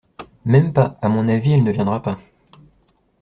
Même pas, à mon avis, elle ne viendra pas.